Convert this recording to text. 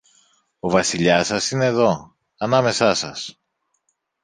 Ο Βασιλιάς σας είναι δω, ανάμεσά σας